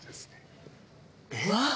えっ？